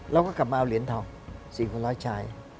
เราก็กลับมาเอาเหรียญเทา๔คนร้อยชาย